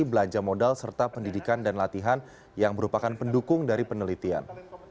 belanja modal serta pendidikan dan latihan yang merupakan pendukung dari penelitian